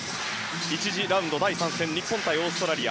１次ラウンド第３戦日本対オーストラリア。